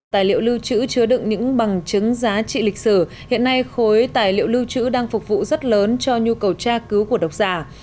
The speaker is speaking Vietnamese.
tài liệu lưu trữ chứa đựng những bằng chứng giá trị lịch sử hiện nay khối tài liệu lưu trữ đang phục vụ rất lớn cho nhu cầu tra cứu của độc giả